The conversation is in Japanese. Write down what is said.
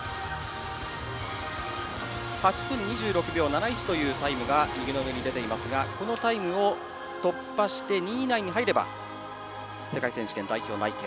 ８分２６秒７１というタイムが出ていますがこのタイムを突破して２位以内に入れば世界選手権代表内定。